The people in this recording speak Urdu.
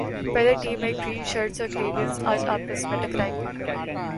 پہلے ٹی میں گرین شرٹس اور کیربیئنز اج پس میں ٹکرائیں گے